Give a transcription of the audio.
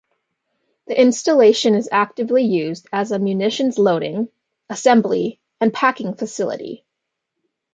The installation is actively used as a munitions loading, assembly, and packing facility.